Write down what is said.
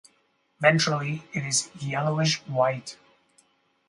Ventrally, it is yellowish white.